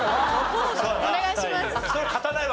お願いします。